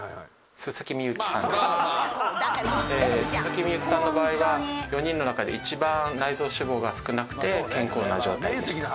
今回薄幸さんの場合は４人の中で一番内臓脂肪が少なくて健康な状態でした。